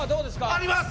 あります！